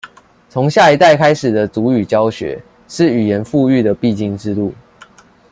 從下一代開始的族語教學，是語言復育的必經之路